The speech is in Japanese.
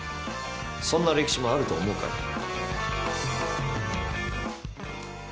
そんな歴史もあると思うかい？